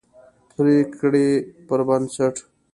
پرېکړې پربنسټ